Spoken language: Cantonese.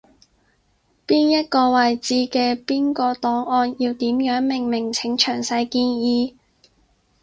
邊一個位置嘅邊個檔案要點樣命名，請詳細建議